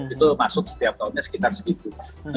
itu masuk setiap tahunnya sekitar segitu